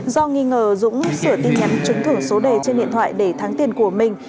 do nghi ngờ dũng sửa tin nhắn chứng thử số đề trên điện thoại để thắng tiền của mình